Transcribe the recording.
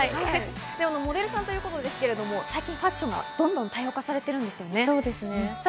モデルさんということですけれど、最近ファッションはどんどん多様化されてるんですよね。